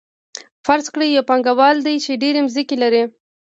فرض کړئ یو پانګوال دی چې ډېرې ځمکې لري